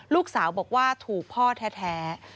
ลูกสาวบอกว่าถูกพ่อแท้